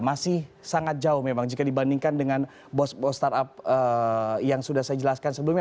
masih sangat jauh memang jika dibandingkan dengan bos bos startup yang sudah saya jelaskan sebelumnya